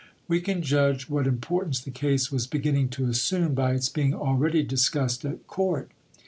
We can judge what importance the case was beginning to assume by its being already discussed at court.